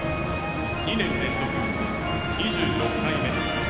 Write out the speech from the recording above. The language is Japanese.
２年連続２６回目。